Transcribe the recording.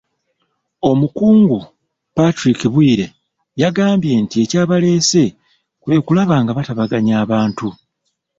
Omukungu, Patrick Bwire, yagambye nti ekyabaleese kwe kulaba nga batabaganya abantu.